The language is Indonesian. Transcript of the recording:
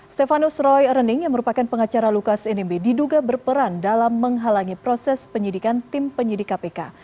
stefanus roy rening yang merupakan pengacara lukas nmb diduga berperan dalam menghalangi proses penyidikan tim penyidik kpk